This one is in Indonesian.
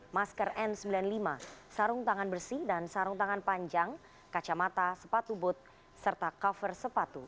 masker n sembilan puluh lima sarung tangan bersih dan sarung tangan panjang kacamata sepatu bot serta cover sepatu